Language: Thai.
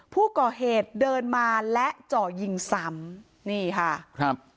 ผู้ก่อเหตุเดินมาและเจาะยิงซ้ำนี่ค่ะครับ